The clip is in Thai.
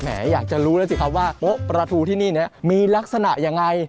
อยากจะรู้แล้วสิครับว่าโต๊ะปลาทูที่นี่มีลักษณะยังไง